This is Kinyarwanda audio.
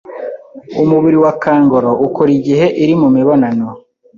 umubiri wa kangaroo ukora igihe iri mu mibonano .